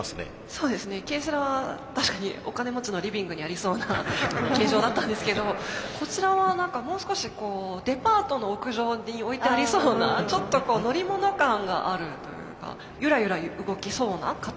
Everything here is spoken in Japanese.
そうですねＫセラは確かにお金持ちのリビングにありそうな形状だったんですけどもこちらは何かもう少しデパートの屋上に置いてありそうなちょっと乗り物感があるというかゆらゆら動きそうな形をしてますね。